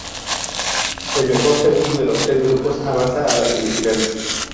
El mejor segundo de los tres grupos avanza a las semifinales.